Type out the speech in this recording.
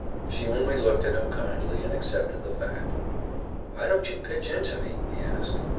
She only looked at him kindly and accepted the fact. "Why don't you pitch into me?" he asked.